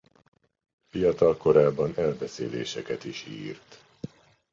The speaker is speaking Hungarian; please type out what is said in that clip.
Fiatal korában elbeszéléseket is írt.